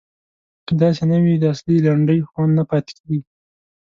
که داسې نه وي د اصیلې لنډۍ خوند نه پاتې کیږي.